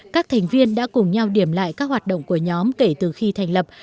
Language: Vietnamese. các thành viên đã cùng nhau điểm lại các hoạt động của nhóm kể từ khi thành lập